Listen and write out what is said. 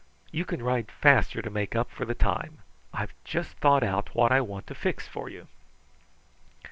You can ride faster to make up for the time. I've just thought out what I want to fix for you."